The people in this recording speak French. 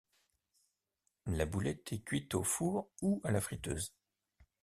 La boulette est cuite au four ou à la friteuse.